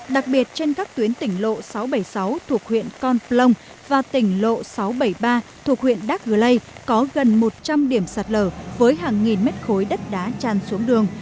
đặc biệt trên các tuyến tỉnh lộ sáu trăm bảy mươi sáu thuộc huyện con plong và tỉnh lộ sáu trăm bảy mươi ba thuộc huyện đắc rây có gần một trăm linh điểm sạt lở với hàng nghìn mét khối đất đá tràn xuống đường